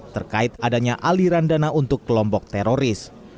terkait adanya aliran dana untuk kelompok teroris